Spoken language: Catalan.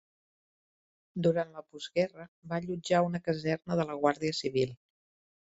Durant la postguerra va allotjar una caserna de la Guàrdia Civil.